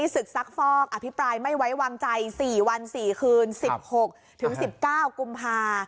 ศึกซักฟอกอภิปรายไม่ไว้วางใจ๔วัน๔คืน๑๖ถึง๑๙กุมภา